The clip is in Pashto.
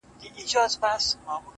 د ښایستونو خدایه سر ټيټول تاته نه وه؛